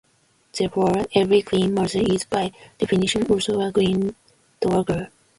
Therefore, every queen mother is by definition also a queen dowager.